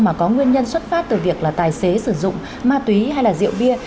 mà có nguyên nhân xuất phát từ việc là tài xế sử dụng ma túy hay là rượu bia